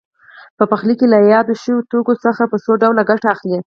په پخلي کې له یادو شویو توکو څخه په څو ډوله ګټه اخلي.